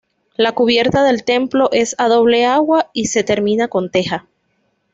La cubierta del templo es a doble agua y se termina con teja.